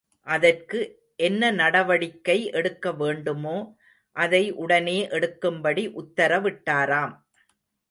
அதற்கு என்ன நடவடிக்கை எடுக்க வேண்டுமோ அதை உடனே எடுக்கும்படி உத்தரவிட்டாராம்.